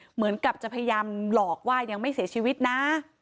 เหมือนกับจะพยายามหลอกว่ายังไม่เสียชีวิตนะ